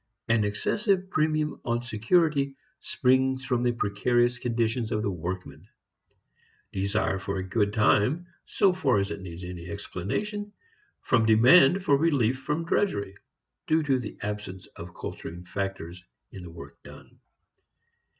An excessive premium on security springs from the precarious conditions of the workman; desire for a good time, so far as it needs any explanation, from demand for relief from drudgery, due to the absence of culturing factors in the work done.